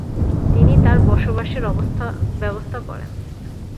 তিনি তার বসবাসের ব্যবস্থা করেন।